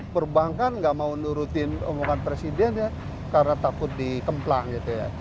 perbankan nggak mau nurutin omongan presiden ya karena takut dikemplang gitu ya